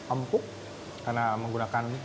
empuk karena menggunakan